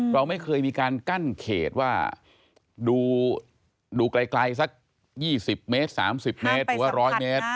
เราไม่เคยมีการกั้นเขตว่าดูไกลสัก๒๐เมตร๓๐เมตรหรือว่า๑๐๐เมตร